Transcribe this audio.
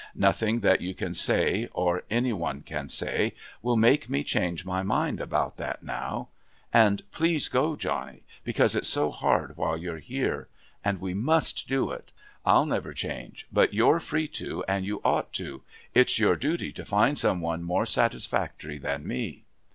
Nothing that you can say, or any one can say, will make me change my mind about that now.... And please go, Johnny, because it's so hard while you're here. And we must do it. I'll never change, but you're free to, and you ought to. It's your duty to find some one more satisfactory than me."